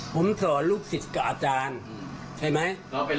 ผมสอนลูกศิษย์กับอาจารย์ใช่ไหม